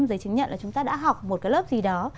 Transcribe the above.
giấy chứng nhận là chúng ta đã học một cái lớp gì đó